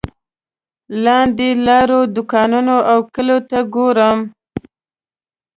لاندې لارو دوکانونو او کلیو ته ګورم.